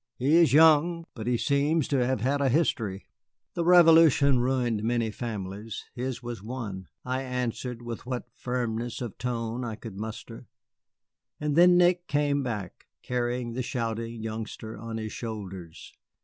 "He is young, but he seems to have had a history." "The Revolution ruined many families his was one," I answered, with what firmness of tone I could muster. And then Nick came back, carrying the shouting youngster on his shoulders.